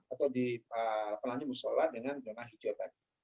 atau di pelan pelan musyola dengan zona hijau tadi